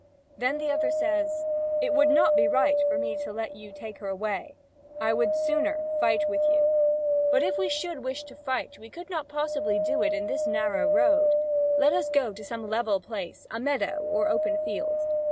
Then the other says: "It would not be right for me to let you take her away; I would sooner fight with you. But if we should wish to fight, we could not possibly do it in this narrow road. Let us go to some level place a meadow or an open field."